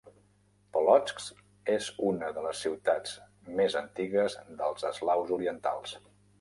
Polotsk és una de les ciutats més antigues dels eslaus orientals.